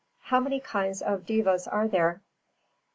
_How many kinds of devas are there?